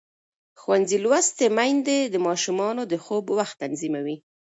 ښوونځې لوستې میندې د ماشومانو د خوب وخت تنظیموي.